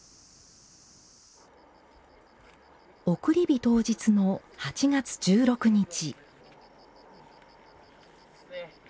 送り火当日の８月１６日。